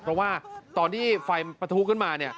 เพราะว่าตอนที่ไฟประทุขึ้นมา